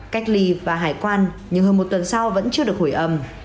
cách ly và hải quan nhưng hơn một tuần sau vẫn chưa được hồi âm